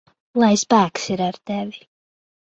Lai spēks ir ar tevi!